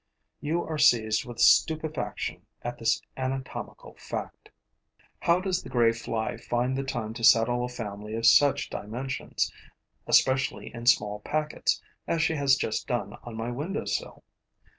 You are seized with stupefaction at this anatomical fact. How does the gray fly find the time to settle a family of such dimensions, especially in small packets, as she has just done on my window sill?